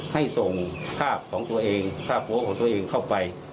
ให้ส่งภาพของตัวเองภาพโพสต์ของตัวเองเข้าไป